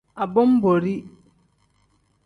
Abonboori.